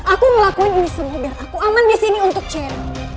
aku ngelakuin ini semua biar aku aman disini untuk cera